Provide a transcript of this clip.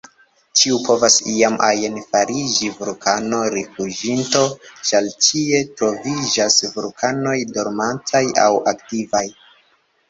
Ĉiu povos iam ajn fariĝi vulkano-rifuĝinto, ĉar ĉie troviĝas vulkanoj dormantaj aŭ aktivaj.